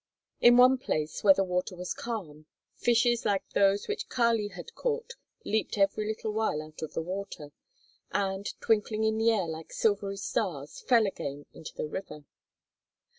In one place where the water was calm, fishes like those which Kali had caught leaped every little while out of the water, and, twinkling in the air like silvery stars, fell again into the river.